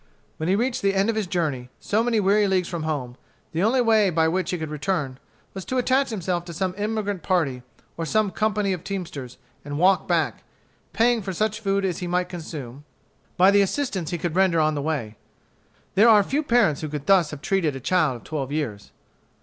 When he reached the end of his journey, so many weary leagues from home, the only way by which he could return was to attach himself to some emigrant party or some company of teamsters, and walk back, paying for such food as he might consume, by the assistance he could render on the way. There are few parents who could thus have treated a child of twelve years.